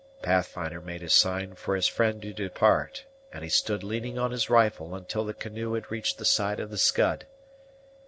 Pathfinder made a sign for his friend to depart, and he stood leaning on his rifle until the canoe had reached the side of the Scud.